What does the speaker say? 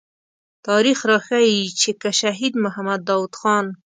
تاريخ راښيي چې که شهيد محمد داود خان.